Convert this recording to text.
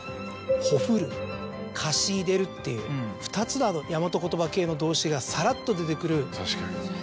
「ほふる」「かしいでる」っていう２つの大和言葉系の動詞がさらっと出てくる。